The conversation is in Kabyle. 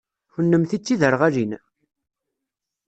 Kennemti d tiderɣalin?